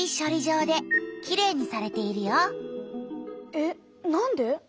えっなんで？